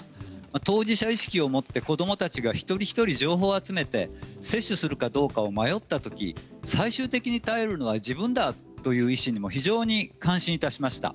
当事者意識を持って子どもたちが一人一人情報を集めて接種するかどうかを迷ったとき最終的に頼るのは自分だという意志にも非常に感心をいたしました。